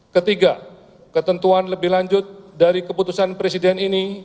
ketiga ketentuan lebih lanjut dari keputusan presiden ini